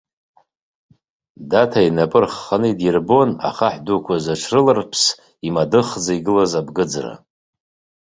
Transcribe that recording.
Даҭа инапы рхханы идирбон ахаҳә дуқәа зыҽрыларԥс имадыхӡа игылаз абгыӡра.